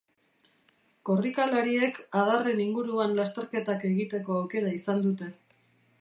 Korrikalariek adarren inguruan lasterketak egiteko aukera izan dute.